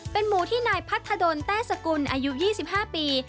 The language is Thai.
เป็นหมูที่นายพัทธดลแต้สกุลอายุ๒๕ปี